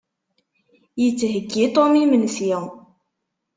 Yettheyyi Tom imensi.